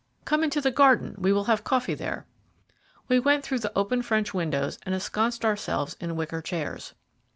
"Come into the garden; we will have coffee there." We went through the open French windows and ensconced ourselves in wicker chairs.